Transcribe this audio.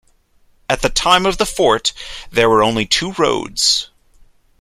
At the time of the fort, there were only two roads.